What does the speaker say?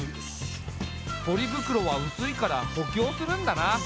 ポリ袋は薄いから補強するんだな。